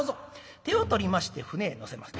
手を取りまして舟へ乗せます。